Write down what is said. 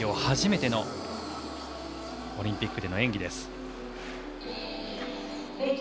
初めてのオリンピックでの演技。